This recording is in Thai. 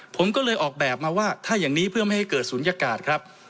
ผมก็เลยออกแบบมาว่าถ้าอย่างนี้เพื่อไม่ให้เกิดศูนยากาศครับ